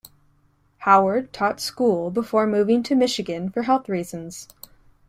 Howard taught school before moving to Michigan for health reasons.